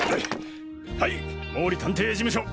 はい毛利探偵事務所！